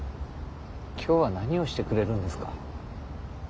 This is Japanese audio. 今日は何をしてくれるんですか？